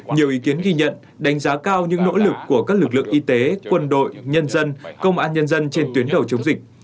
nhiều ý kiến ghi nhận đánh giá cao những nỗ lực của các lực lượng y tế quân đội nhân dân công an nhân dân trên tuyến đầu chống dịch